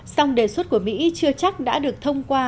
song đề xuất của mỹ chưa chắc đã được thông qua